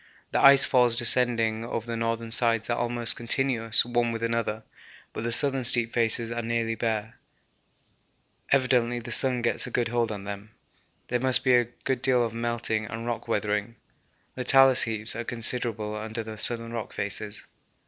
The ice falls descending over the northern sides are almost continuous one with another, but the southern steep faces are nearly bare; evidently the sun gets a good hold on them. There must be a good deal of melting and rock weathering, the talus heaps are considerable under the southern rock faces.